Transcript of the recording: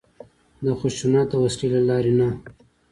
د خشونت د وسلې له لارې نه.